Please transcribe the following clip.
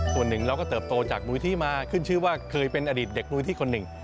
ส่วนหนึ่งเราก็เติบโตจากมูลนิธิมาขึ้นชื่อว่าเคยเป็นอดีตเด็กมูลนิธิคนหนึ่ง